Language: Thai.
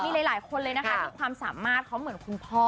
มีหลายคนเลยนะคะที่ความสามารถเขาเหมือนคุณพ่อ